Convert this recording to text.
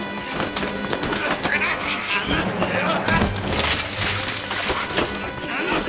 離せよ！